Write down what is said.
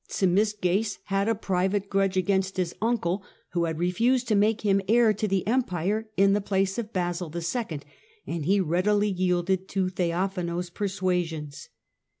Zimisces had a private grudge against his uncle, who had refused to make him heir to the Empire in the place of Basil IL, and he readily yielded to Theophano's persuasions.